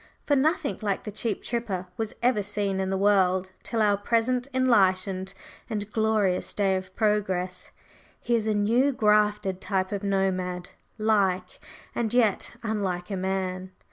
For nothing like the cheap tripper was ever seen in the world till our present enlightened and glorious day of progress; he is a new grafted type of nomad, like and yet unlike a man.